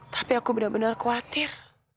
tapi aku benar benar khawatir